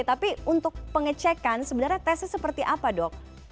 tapi untuk pengecekan sebenarnya tesnya seperti apa dok